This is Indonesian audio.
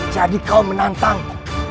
jadi kau menantangku